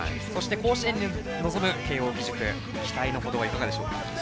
甲子園に臨む慶応義塾期待の程はいかがでしょう？